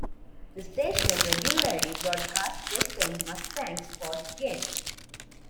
The station regularly broadcasts Western Mustangs sports games.